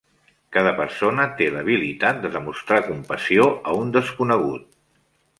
Cada persona té l'habilitat de demostrar compassió a un desconegut.